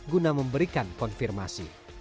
guna memberikan konfirmasi